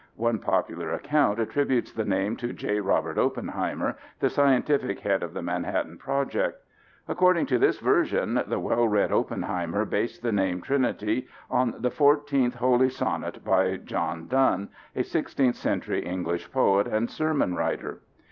One popular account attributes the name to J. Robert Oppenheimer, the scientific head of the Manhattan Project. According to this version, the well read Oppenheimer based the name Trinity on the fourteenth Holy Sonnet by John Donne, a 16th century English poet and sermon writer.